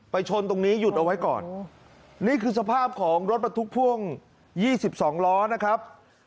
ชนตรงนี้หยุดเอาไว้ก่อนนี่คือสภาพของรถบรรทุกพ่วง๒๒ล้อนะครับ